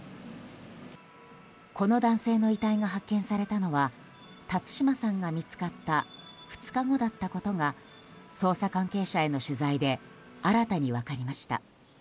この男性の遺体が発見されたのは辰島さんが見つかった２日後だったことが捜査関係者への取材で新たに分かりました。